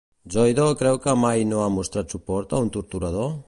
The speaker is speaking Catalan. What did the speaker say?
Zoido creu que mai no ha mostrat suport a un torturador?